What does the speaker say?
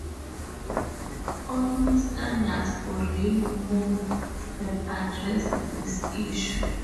All new standards for rail mounts have addressed this issue.